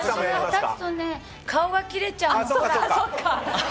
立つとね、顔が切れちゃうの。